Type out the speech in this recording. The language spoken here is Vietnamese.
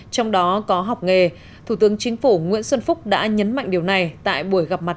trong đó có học nghề thủ tướng chính phủ nguyễn xuân phúc đã nhấn mạnh điều này tại buổi gặp mặt